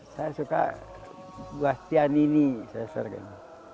saya suka guastianini saya sering